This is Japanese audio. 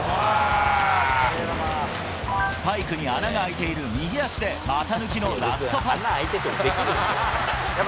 スパイクに穴が開いている右足で股抜きのラストパス。